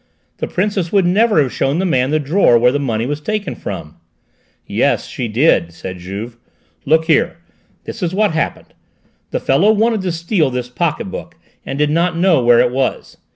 The Princess would never have shown the man the drawer where the money was taken from!" "Yes, she did!" said Juve. "Look here: this is what happened: the fellow wanted to steal this pocket book, and did not know where it was.